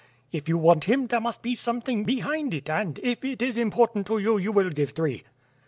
"If you want him, there must be something behind it and, if it is important to you, you will give three."